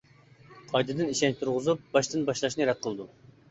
قايتىدىن ئىشەنچ تۇرغۇزۇپ، باشتىن باشلاشنى رەت قىلىدۇ.